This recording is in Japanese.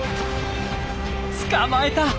捕まえた！